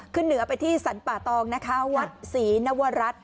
ขึ้นเหนือไปที่สรรป่าตองนะคะวัดศรีนวรัฐ